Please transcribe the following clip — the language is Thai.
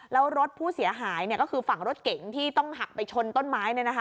แล้วรถผู้เสียหายเนี่ยก็คือฝั่งรถเก๋งที่ต้องหักไปชนต้นไม้เนี่ยนะคะ